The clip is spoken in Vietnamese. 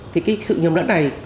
thì cái sự nhầm lẫn này